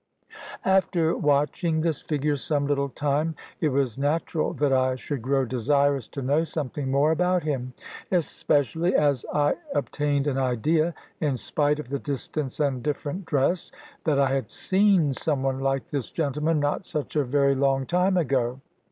After watching this figure some little time, it was natural that I should grow desirous to know something more about him; especially as I obtained an idea, in spite of the distance and different dress, that I had seen some one like this gentleman not such a very long time ago.